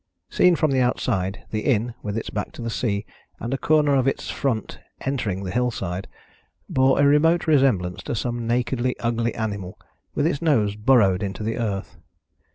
Seen from outside, the inn, with its back to the sea and a corner of its front entering the hillside, bore a remote resemblance to some nakedly ugly animal with its nose burrowed into the earth.